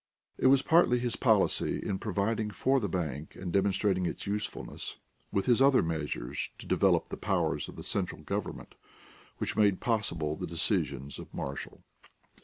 It was partly his policy in providing for the bank and demonstrating its usefulness, with his other measures to develop the powers of the central government, which made possible the decisions of Marshall.